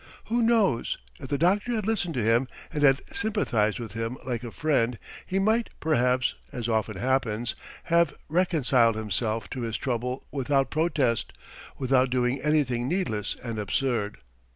Who knows, if the doctor had listened to him and had sympathized with him like a friend, he might perhaps, as often happens, have reconciled himself to his trouble without protest, without doing anything needless and absurd.